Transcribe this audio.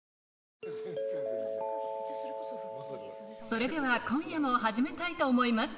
それでは今夜も始めたいと思います